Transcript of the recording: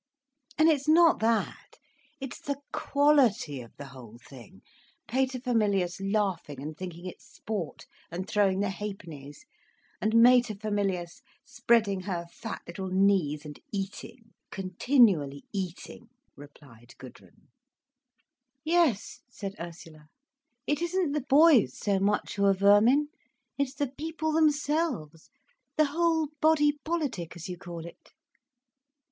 "And it's not that—it's the quality of the whole thing—paterfamilias laughing and thinking it sport, and throwing the ha'pennies, and materfamilias spreading her fat little knees and eating, continually eating—" replied Gudrun. "Yes," said Ursula. "It isn't the boys so much who are vermin; it's the people themselves, the whole body politic, as you call it."